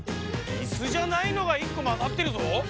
イスじゃないのがいっこまざってるぞ。